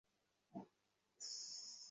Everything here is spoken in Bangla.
তিনি তাহাদিগকে বলিলেন, নিজেরা গিয়া খুঁজিয়া দেখ।